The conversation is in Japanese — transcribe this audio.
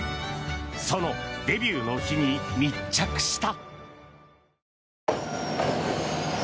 そのデビューの日に密着した。